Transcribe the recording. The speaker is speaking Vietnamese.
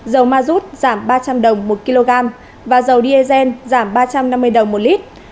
dầu ma rút giảm ba trăm linh đồng một kg và dầu diesel giảm ba trăm năm mươi đồng một lít